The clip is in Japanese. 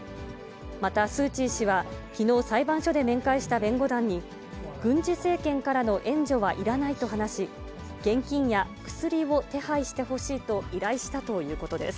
また、スー・チー氏は、きのう、裁判所で面会した弁護団に、軍事政権からの援助はいらないと話し、現金や薬を手配してほしいと依頼したということです。